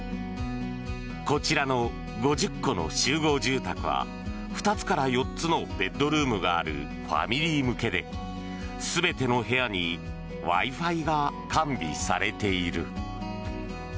こちらの５０戸の集合住宅は２つから４つのベッドルームがあるファミリー向けで全ての部屋にＷｉ−Ｆｉが完備されている。